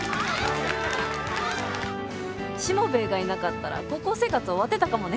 しもべえがいなかったら高校生活終わってたかもね。